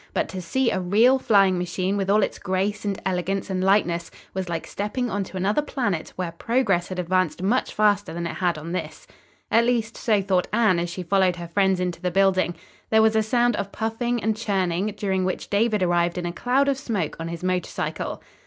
But to see a real flying machine with all its grace and elegance and lightness was like stepping onto another planet where progress had advanced much faster than it had on this. At least, so thought Anne as she followed her friends into the building. There was a sound of puffing and churning, during which David arrived in a cloud of smoke on his motor cycle.